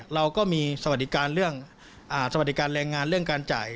เราก็มีสมัติการแรงงานเรื่องการจ่าย